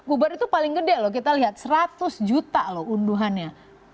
uber itu paling gede loh kita lihat seratus juta loh unduhannya